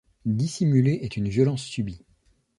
Dissimuler est une violence subie.